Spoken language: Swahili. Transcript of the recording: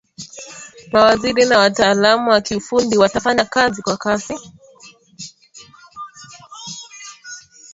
mawaziri na wataalamu wa kiufundi watafanya kazi kwa kasi